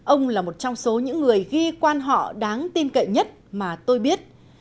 ông là một trong số những người ghi quan họ đáng tin cậy nhất mà tôi biết